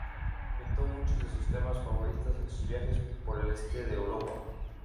Pintó muchos de sus temas favoritas en sus viajes por el este de Europa.